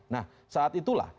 nah saat itulah